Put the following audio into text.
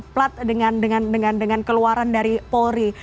plat dengan keluaran dari polri